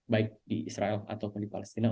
baik di israel ataupun di palestina